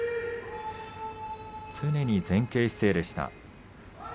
輝、常に前傾姿勢でした。